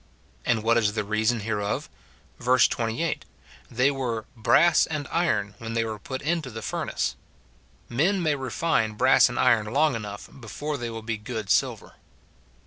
And what is the reason hereof ? Verse 28, They were " brass and iron" when they were put into the furnace. Men may refine brass and iron long enough before they will be good silver.